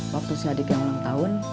waktu si adiknya ulang tahun